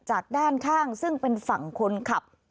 จากด้านข้างซึ่งเป็นฝั่งคนขับ